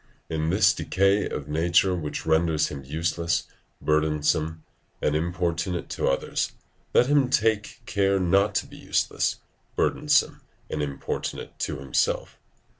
In this decay of nature which renders him useless, burdensome, and importunate to others, let him take care not to be useless, burdensome, and importunate to himself.